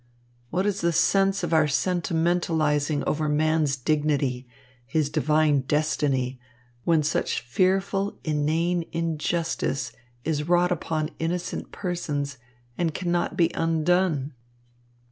What is the sense of our sentimentalising over man's dignity, his divine destiny, when such fearful, inane injustice is wrought upon innocent persons and cannot be undone?"